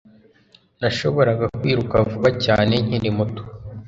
Nashoboraga kwiruka vuba cyane nkiri muto